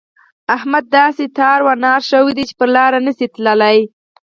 احمد داسې تار و نار شوی دی چې پر لاره نه شي تلای.